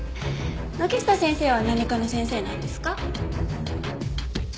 軒下先生は何科の先生なんですか？